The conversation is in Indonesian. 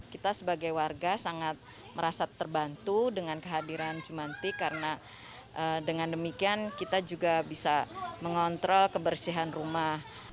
kita sebagai warga sangat merasa terbantu dengan kehadiran jumantik karena dengan demikian kita juga bisa mengontrol kebersihan rumah